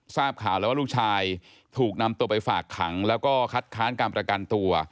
ทราบข่าวแล้วว่าลูกชายถูกนำตัวไปฝากขังแล้วก็คัดค้านการประกันตัว